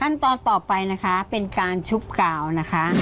ขั้นตอนต่อไปนะคะเป็นการชุบกาวนะคะ